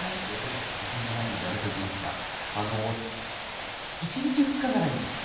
自信がないのでやめておきますが、１日、２日ならいいんです。